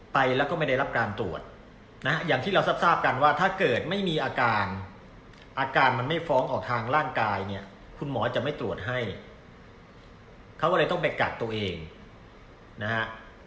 ไปแล้วก็ไม่ได้รับการตรวจนะฮะอย่างที่เราทราบกันว่าถ้าเกิดไม่มีอาการอาการมันไม่ฟ้องออกทางร่างกายเนี่ยคุณหมอจะไม่ตรวจให้เขาก็เลยต้องไปกักตัวเองนะฮะ